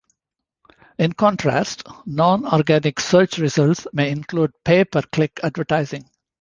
In contrast, non-organic search results may include pay per click advertising.